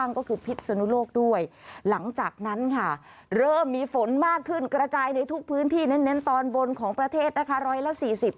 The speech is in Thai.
ในทุกพื้นที่เน้นตอนบนของประเทศนะคะ